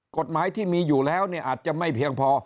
กฎหมายที่มีอยู่แล้วอาจจะไม่เพียงพอ